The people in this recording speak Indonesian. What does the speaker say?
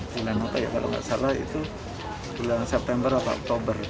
jangan lupa ya kalau tidak salah itu bulan september atau oktober